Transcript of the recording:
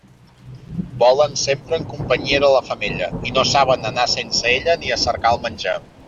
Volen sempre en companyia de la femella, i no saben anar sense ella ni a cercar el menjar.